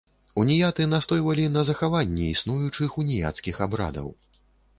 Уніяты настойвалі на захаванні існуючых уніяцкіх абрадаў.